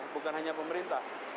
bukan hanya pemerintah